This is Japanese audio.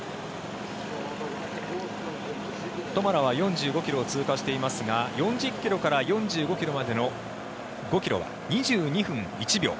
トマラは４５ｋｍを通過していますが４０ｋｍから４５ｋｍまでの５ｋｍが２２分１秒。